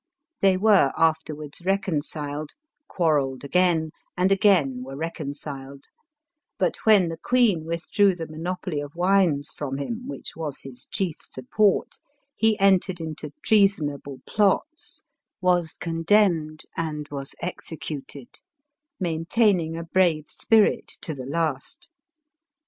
They were after wards reconciled, quarrelled again, and again were rec onciled ; but, when the queen withdrew the monopoly of wines from him, which was his chief support, he en tered into treasonable plots, was condemned and was executed, maintaining a brave spirit to the last.